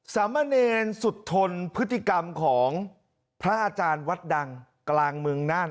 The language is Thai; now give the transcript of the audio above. สามเณรสุดทนพฤติกรรมของพระอาจารย์วัดดังกลางเมืองน่าน